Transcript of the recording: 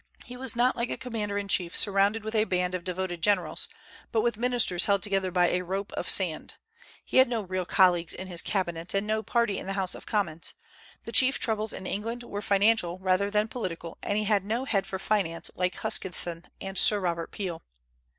He was not like a commander in chief surrounded with a band of devoted generals, but with ministers held together by a rope of sand. He had no real colleagues in his cabinet, and no party in the House of Commons. The chief troubles in England were financial rather than political, and he had no head for finance like Huskisson and Sir Robert Peel.